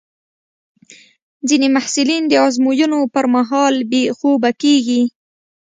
ځینې محصلین د ازموینو پر مهال بې خوبه کېږي.